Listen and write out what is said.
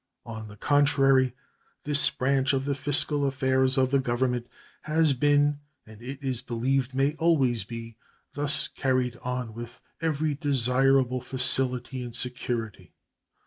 On the contrary, this branch of the fiscal affairs of the Government has been, and it is believed may always be, thus carried on with every desirable facility and security.